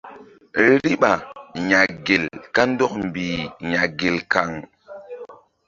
Riɓa ya̧ gel kandɔk mbih ya̧ gel kan.